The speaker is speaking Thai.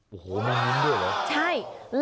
โอ้โฮมีมิ้นด้วยเหรอ